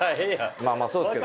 まぁまぁそうですけど。